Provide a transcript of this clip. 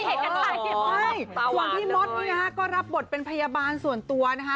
ใช่ส่วนพี่ม็อตนี้นะครับก็รับบทเป็นพยาบาลส่วนตัวนะฮะ